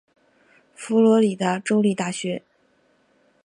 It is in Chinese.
佛罗里达州立大学。